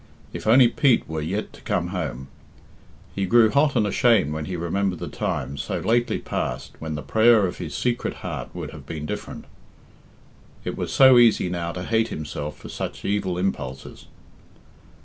If only Pete were yet to come home! He grew hot and ashamed when he remembered the time, so lately past, when the prayer of his secret heart would have been different. It was so easy now to hate himself for such evil impulses.